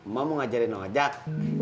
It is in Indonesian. emak mau ngajarin mak ajak